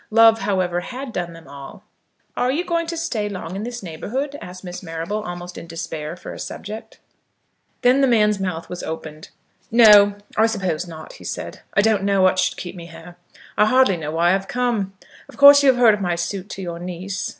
Love, however, had done them all. "Are you going to stay long in this neighbourhood?" asked Miss Marrable, almost in despair for a subject. Then the man's mouth was opened. "No; I suppose not," he said. "I don't know what should keep me here, and I hardly know why I'm come. Of course you have heard of my suit to your niece."